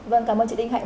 vâng cảm ơn chị đinh hạnh